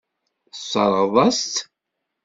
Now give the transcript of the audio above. Tessṛeɣ-as-tt.